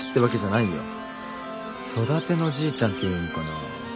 育てのじいちゃんって言うんかな。